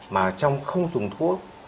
mà trong không dùng thuốc